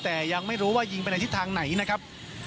แต่ยังไม่รู้ว่ายิงไปในทิศทางไหนนะครับ